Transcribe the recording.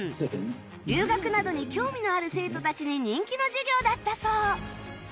留学などに興味のある生徒たちに人気の授業だったそう